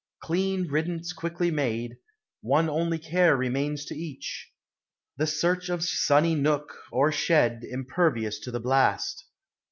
Clean riddance quickly made, one only care Remains to each, the search of sunny nook, Or shed impervious to the blast.